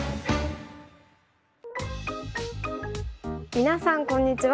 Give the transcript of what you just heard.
皆さんこんにちは。